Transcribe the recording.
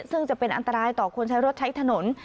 ซึ่งจะเป็นอันตรายต่อคนใช้รถใช้ถนน